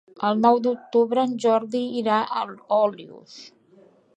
El nou d'octubre en Jordi irà a Olius.